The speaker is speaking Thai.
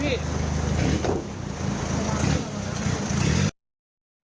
โปรดติดตามตอนต่อไป